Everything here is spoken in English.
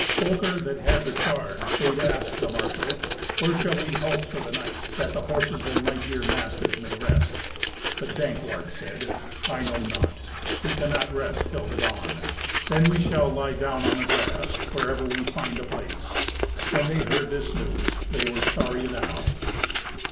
Folker, that had the charge, bade ask the marshal, "Where shall we halt for the night, that the horses and my dear masters may rest?" But Dankwart said, "I know not. We cannot rest till the dawn. Then we shall lie down on the grass wherever we find a place." When they heard this news they were sorry enow!